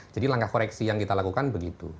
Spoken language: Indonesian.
jadi langkah koreksi yang kita lakukan begitu